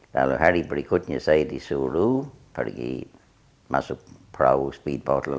lalu hari berikutnya saya disuruh pergi masuk perahu speedboat